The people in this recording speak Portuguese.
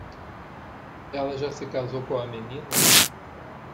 Ela já se casou com a menina?